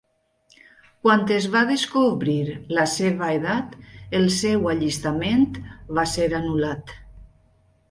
Quan es va descobrir la seva edat el seu allistament va ser anul·lat.